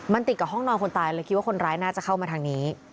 มันติดกับห้องนอนคนตายเลยคิดว่าคนร้ายน่าจะเข้ามาทางนี้